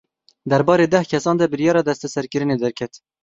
Derbarê deh kesan de biryara desteserkirinê derket.